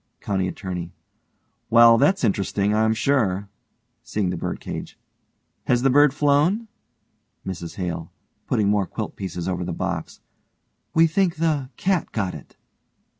COUNTY ATTORNEY: Well, that's interesting, I'm sure. (seeing the birdcage) Has the bird flown? MRS HALE: (putting more quilt pieces over the box) We think the cat got it.